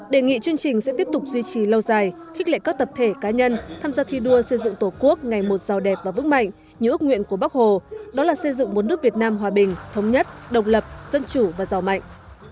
đề nghị chương trình sẽ tiếp tục duy trì lâu dài khích lệ các tập thể cá nhân tham gia thi đua xây dựng tổ quốc ngày một giàu đẹp và vững mạnh như ước nguyện của bắc hồ đó là xây dựng một nước việt nam hòa bình thống nhất độc lập dân chủ và giàu mạnh